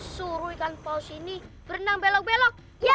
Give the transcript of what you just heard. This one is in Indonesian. suruh ikan paus ini berenang belok belok